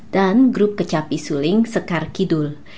dan grup kecapi suling sekar kidul